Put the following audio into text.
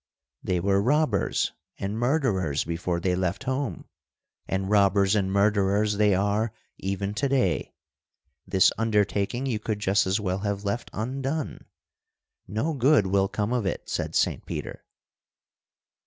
"'They were robbers and murderers before they left home, and robbers and murderers they are even to day. This undertaking you could just as well have left undone. No good will come of it,' said Saint Peter."